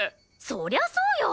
そりゃそうよ！